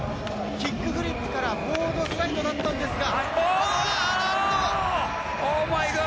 今まではキックフリップからボードスライドだったんですが。